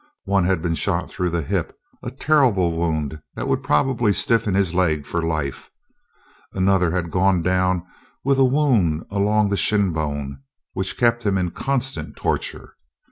One had been shot through the hip, a terrible wound that would probably stiffen his leg for life; another had gone down with a wound along the shin bone which kept him in a constant torture.